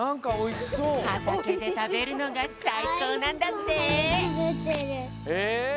はたけでたべるのがさいこうなんだって！